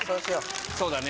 そうだね